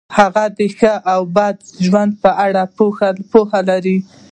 هغه د ښه او بد ژوند په اړه پوهه لري.